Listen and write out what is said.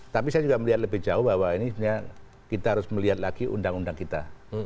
tapi saya juga melihat lebih jauh bahwa ini sebenarnya kita harus melihat lagi undang undang kita